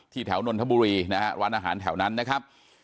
แถวนนทบุรีนะฮะร้านอาหารแถวนั้นนะครับ